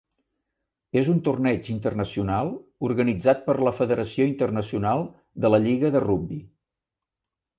És un torneig internacional organitzat per la Federació Internacional de la Lliga de Rugbi.